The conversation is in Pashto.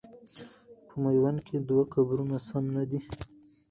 په میوند کې دوه قبرونه سم نه دي.